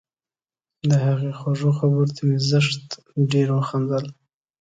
د هغې خوږو خبرو ته مې زښت ډېر وخندل